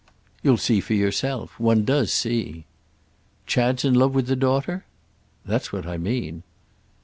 "You'll see for yourself. One does see." "Chad's in love with the daughter?" "That's what I mean."